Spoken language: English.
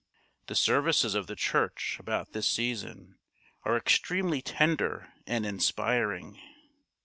The services of the church about this season are extremely tender and inspiring.